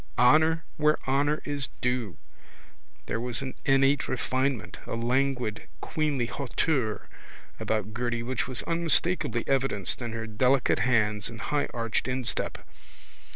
Honour where honour is due. There was an innate refinement, a languid queenly hauteur about Gerty which was unmistakably evidenced in her delicate hands and higharched instep.